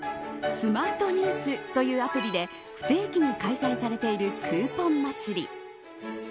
スマートニュースというアプリで不定期に開催されているクーポン祭り。